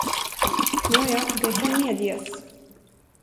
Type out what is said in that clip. Nåja, det kan medges!